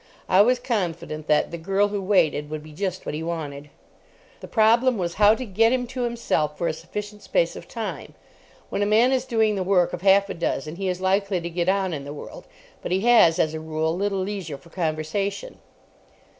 I was confident that The Girl who Waited would be just what he wanted. The problem was how to get him to himself for a sufficient space of time. When a man is doing the work of half a dozen he is likely to get on in the world, but he has, as a rule, little leisure for conversation.